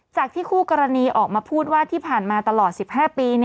จากที่คู่กรณีออกมาพูดว่าที่ผ่านมาตลอด๑๕ปี